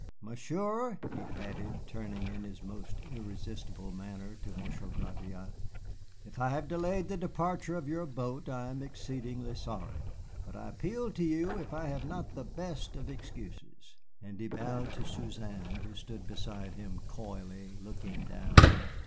"Monsieur," he added, turning in his most irresistible manner to Monsieur Gratiot, "if I have delayed the departure of your boat, I am exceedingly sorry. But I appeal to you if I have not the best of excuses." And he bowed to Suzanne, who stood beside him coyly, looking down.